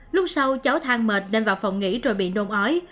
lúc sau cháu thang mệt nên vào phòng nghỉ rồi bị nôn ói